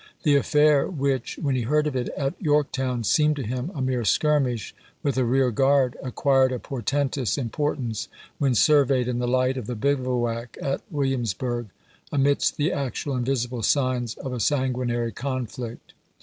The affair which, when he heard of it at Yorktown, seemed to him a mere skii*mish with a rear guard, acquired a portentous importance when surveyed in the light of the bivouac at Williams burg, amidst the actual and visible signs of a sanguinary conflict.